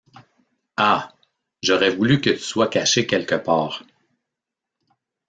Ah! j’aurais voulu que tu sois caché quelque part.